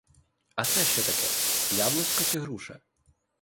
А це що таке: яблучко чи груша?